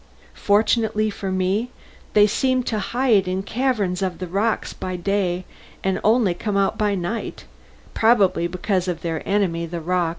Fortunately for me they seemed to hide in caverns of the rocks by day, and only came out by night, probably because of their enemy the roc.